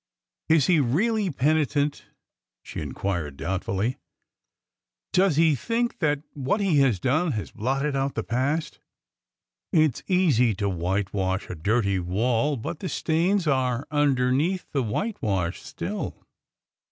"Is he really penitent?" she inquired, doubtfully. "Does he think that what he has done has blotted out the past? It's easy to whitewash a dirty wall, but the stains are underneath the whitewash still."